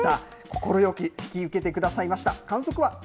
快く引き受けてくださいました。